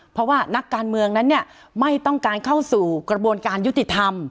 เพราะว่านักการเมืองนั้นเนี่ยไม่ต้องการเข้าสู่กระบวนการยุติธรรม